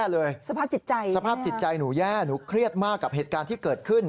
และก็ส